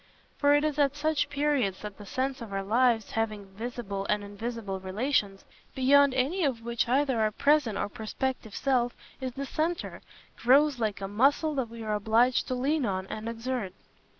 For it is at such periods that the sense of our lives having visible and invisible relations, beyond any of which either our present or prospective self is the centre, grows like a muscle that we are obliged to lean on and exert.